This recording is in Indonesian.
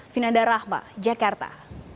vinanda rahma jakarta